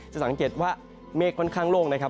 สังเกตว่าเมฆค่อนข้างโล่งนะครับ